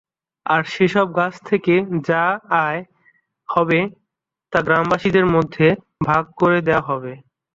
আর সেসব গাছ থেকে যা আয় হবে তা গ্রামবাসীদের মধ্যে ভাগ করে দেয়া হবে।